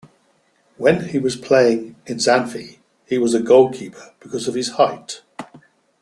When he was playing in Xanthi, he was a goalkeeper because of his height.